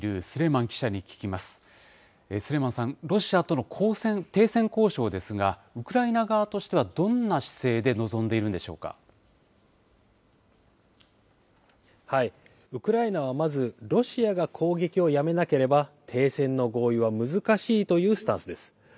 スレイマンさん、ロシアとの停戦交渉ですが、ウクライナ側としては、どんな姿勢でウクライナはまず、ロシアが攻撃をやめなければ、停戦の合意は難しいというスタンスです。